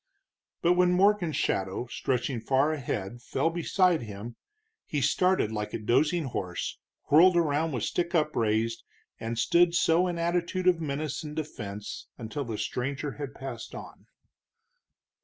But when Morgan's shadow, stretching far ahead, fell beside him, he started like a dozing horse, whirled about with stick upraised, and stood so in attitude of menace and defense until the stranger had passed on.